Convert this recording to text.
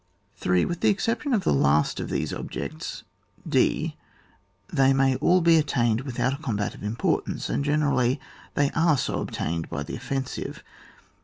3. With the exception of the last of these objects {d) they may all be attained without a combat of importance, and generally they are so obtained by the offensive.